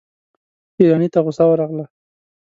ايراني ته غصه ورغله.